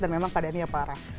dan memang keadaannya parah